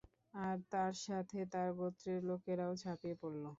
আর তার সাথে তার গোত্রের লোকেরাও ঝাঁপিয়ে পড়ল।